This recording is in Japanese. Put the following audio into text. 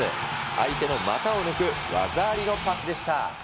相手の股を抜く技ありのパスでした。